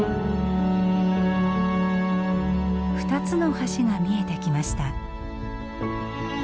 ２つの橋が見えてきました。